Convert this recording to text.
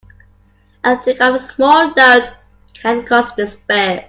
A thing of small note can cause despair.